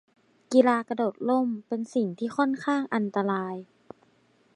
กีฬากระโดดร่ม เป็นสิ่งที่ค่อนข้างอันตราย